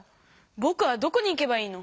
ぼくはどこに行けばいいの？